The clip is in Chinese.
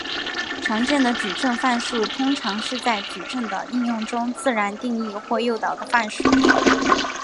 常见的矩阵范数通常是在矩阵的应用中自然定义或诱导的范数。